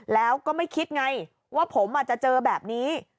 แล้วก็ไม่คิดไงว่าผมจะเจอแบบนี้